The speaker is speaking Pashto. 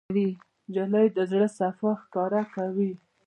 نجلۍ د زړه صفا ښکاره کوي.